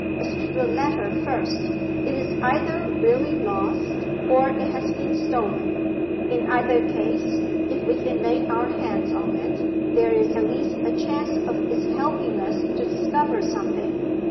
As to the letter first. It is either really lost, or it has been stolen. In either case, if we can lay our hands on it, there is at least a chance of its helping us to discover something.